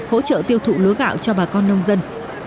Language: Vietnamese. hỗ trợ tiêu thụ lúa gạo cho bà con nông dân